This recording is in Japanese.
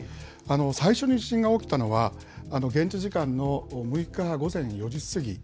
最初に地震が起きたのは、現地時間の６日午前４時過ぎ。